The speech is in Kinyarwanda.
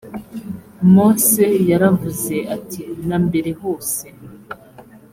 mose yaravuze ati na mbere hose